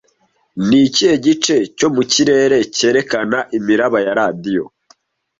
Ni ikihe gice cyo mu kirere cyerekana imiraba ya radiyo